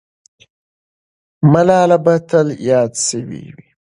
ملاله به تل یاده سوې وي.